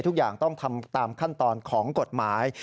ทุกอย่างต้องทำตามขั้นตอนของกฎหมาย